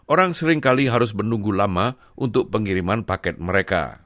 orang seringkali harus menunggu lama untuk pengiriman paket mereka